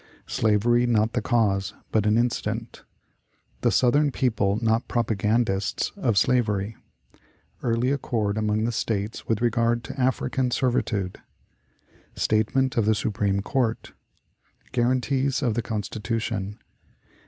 Slavery not the Cause, but an Incident. The Southern People not "Propagandists" of Slavery. Early Accord among the States with regard to African Servitude. Statement of the Supreme Court. Guarantees of the Constitution.